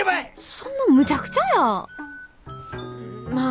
そんなむちゃくちゃやまあ